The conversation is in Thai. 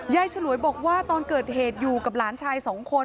ฉลวยบอกว่าตอนเกิดเหตุอยู่กับหลานชายสองคน